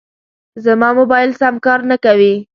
زما موبایل سم کار نه کوي.